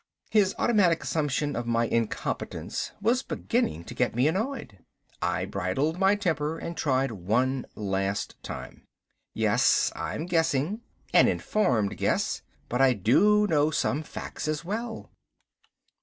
His automatic assumption of my incompetence was beginning to get me annoyed. I bridled my temper and tried one last time. "Yes, I'm guessing an informed guess but I do know some facts as well.